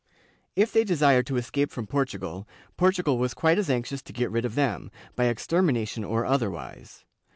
If they desired to escape from Portugal, Portugal was quite as anxious to get rid of them, by extermination or otherwise.